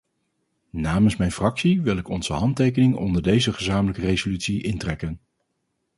Namens mijn fractie wil ik onze handtekening onder deze gezamenlijke resolutie intrekken.